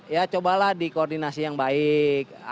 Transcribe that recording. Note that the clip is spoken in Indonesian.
ya cobalah dikoordinasi yang baik